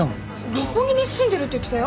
六本木に住んでるって言ってたよ。